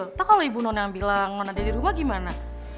kita kalau ibu none yang bilang non ada di rumah gimana